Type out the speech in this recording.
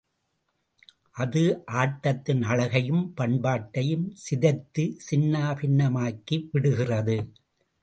அது ஆட்டத்தின் அழகையும் பண்பாட்டையும் சிதைத்து சின்னா பின்னமாக்கி விடுகிறது.